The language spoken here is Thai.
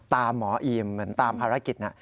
หมออีมเหมือนตามภารกิจ